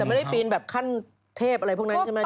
แต่ไม่ได้ปีนแบบขั้นเทพอะไรพวกนั้นใช่ไหม